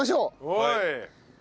はい。